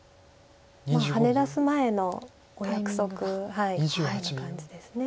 ハネ出す前のお約束のような感じです。